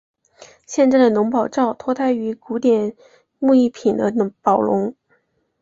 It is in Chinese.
现在的宝龙罩脱胎于古典木艺品的宝笼。